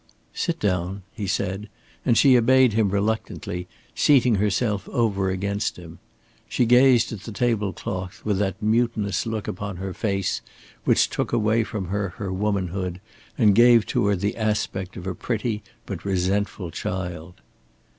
"Sit down," he said; and she obeyed him reluctantly, seating herself over against him. She gazed at the table cloth with that mutinous look upon her face which took away from her her womanhood and gave to her the aspect of a pretty but resentful child.